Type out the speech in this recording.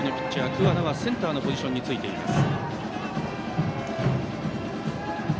桑名はセンターのポジションについています。